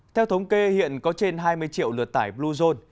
theo thống kê hiện có trên hai mươi triệu lượt tải bluezone